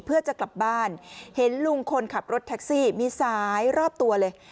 เพื่อจะกลับบ้านเห็นลุงคนขับรถแท็กซี่มีสายรอบตัวเลย